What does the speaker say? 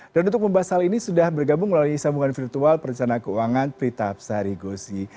dan untuk membahas hal ini sudah bergabung melalui sambungan virtual perencana keuangan pritapsari gosi